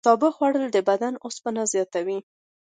سابه خوړل د بدن اوسپنه زیاتوي.